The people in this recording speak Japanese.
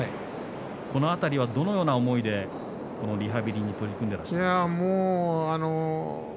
この辺りはどのような思いでリハビリに取り組んだんですか？